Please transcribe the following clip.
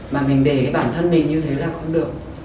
mà mình để cái bản thân mình như thế là không được